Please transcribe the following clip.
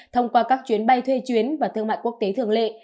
thông qua các chuyến bay thuê chuyến và thương mại quốc tế thường lệ